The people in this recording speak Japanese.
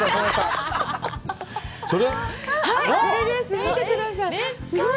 見てください。